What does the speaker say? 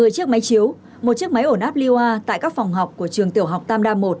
một mươi chiếc máy chiếu một chiếc máy ổn ap liêu tại các phòng học của trường tiểu học tam đa một